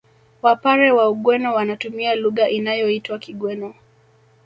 Wapare wa Ugweno wanatumia lugha inayoitwa Kigweno